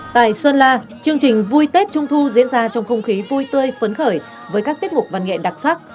tại sơn la chương trình vui tết trung thu diễn ra trong không khí vui tươi phấn khởi với các tiết mục văn nghệ đặc sắc